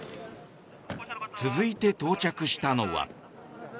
続いて、到着したのは。